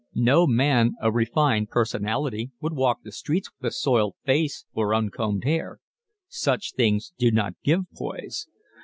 No man of refined personality would walk the streets with a soiled face or uncombed hair. Such things do not give poise.